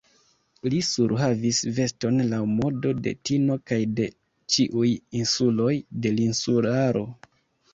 Li surhavis veston laŭ modo de Tino kaj de ĉiuj insuloj de l' Insularo.